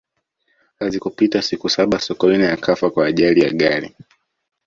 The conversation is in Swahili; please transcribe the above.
hazikupita siku saba sokoine akafa kwa ajali ya gari